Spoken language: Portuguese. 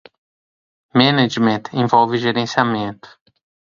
Management envolve gerenciamento.